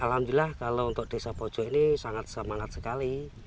alhamdulillah kalau untuk desa pojok ini sangat semangat sekali